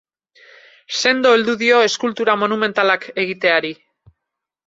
Sendo heldu dio eskultura monumentalak egiteari.